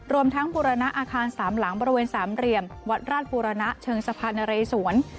รวมทั้งบุรณะอาคารสามหลังบริเวณสามเหลี่ยมวัดราชบูรณะเชิงสะพานนเรสวน